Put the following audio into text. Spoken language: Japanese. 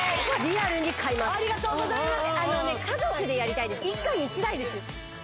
ありがとうございます！